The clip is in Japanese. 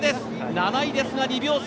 ７位ですが２秒差。